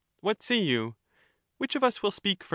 What say you ? which of us will speak first